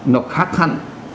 nó khá khăn